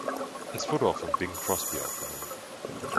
Es wurde auch von Bing Crosby aufgenommen.